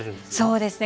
そうですね。